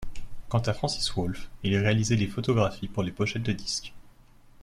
Quant à Francis Wolff, il réalisait les photographies pour les pochettes des disques.